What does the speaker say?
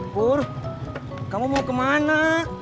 bur kamu mau kemana